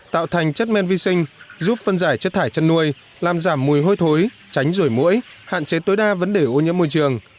tạo thành chất men vi sinh giúp phân giải chất thải chăn nuôi làm giảm mùi hôi thối tránh rủi mũi hạn chế tối đa vấn đề ô nhiễm môi trường